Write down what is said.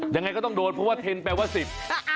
ยังไงก็ต้องโดนเพราะว่าเทนแปลว่าสิบ